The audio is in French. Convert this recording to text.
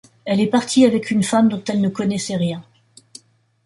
Elle est partie avec une femme dont elle ne connaissait rien.